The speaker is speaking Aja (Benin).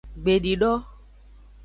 Gbedido.